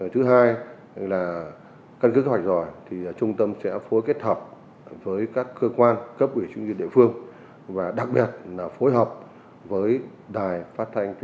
thứ hai là căn cứ kế hoạch rồi trung tâm sẽ phối kết hợp với các cơ quan cấp ủy trung tâm địa phương